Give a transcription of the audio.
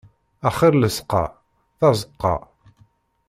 Axir llesqa, tazeqqa.